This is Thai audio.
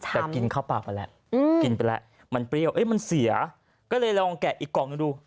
แต่กินข้าวปากไปแล้วกินไปแล้วมันเปรี้ยวมันเสียก็เลยลองแกะอีกกล่องหนึ่งดู